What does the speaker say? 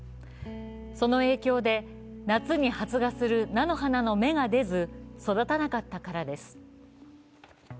その影響で夏に発芽する菜の花の芽が出ず、育たなかったからです。